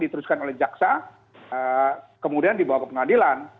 diteruskan oleh jaksa kemudian dibawa ke pengadilan